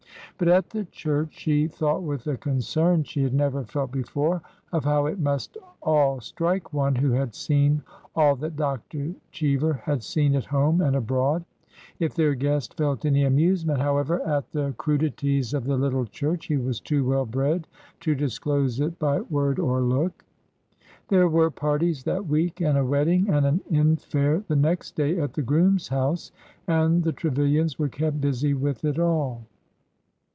But at the church she thought with a concern she had never felt before of how it must all strike one who had seen all that Dr. Cheever had seen at home and abroad. If their guest felt any amusement, however, at the crudi 104 BORDER HISTORY 105 ties of the little church, he was too well bred to disclose it by word or look. There were parties that week, and a wedding, and an infare the next day at the groom's house, and the Tre vilians were kept busy with it all.